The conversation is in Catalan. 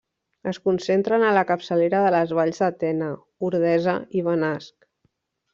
Es concentren a la capçalera de les valls de Tena, Ordesa i Benasc.